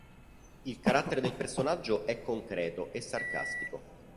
Il carattere del personaggio è concreto e sarcastico.